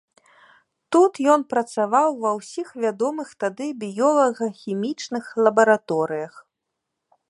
Тут ён працаваў ва ўсіх вядомых тады біёлага-хімічных лабараторыях.